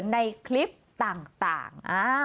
ในคลิปต่าง